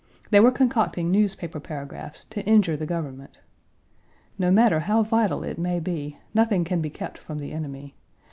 They were concocting newspaper paragraphs to injure the government. No matter how vital it may be, nothing can be kept from the enemy.